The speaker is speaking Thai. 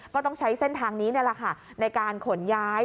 ก็ต้องใช้เส้นทางนี้นี่แหละค่ะในการขนย้าย